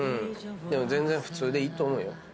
でも全然普通でいいと思うよ。